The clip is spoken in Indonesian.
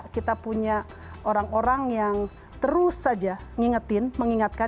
kita punya orang orang yang terus saja ngingetin mengingatkan